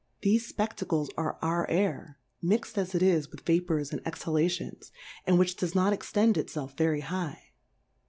Thefe Speftacles are our Air, mixM as it is with Vapours and Exhalations, and which does not extend itfelf very high.